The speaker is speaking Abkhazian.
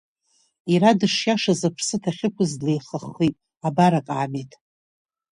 Иара дышиашаз аԥсы дахьықәыз длеихаххит абар акаамеҭ!